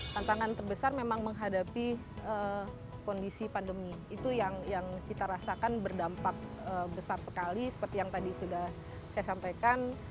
tantangan terbesar memang menghadapi kondisi pandemi itu yang kita rasakan berdampak besar sekali seperti yang tadi sudah saya sampaikan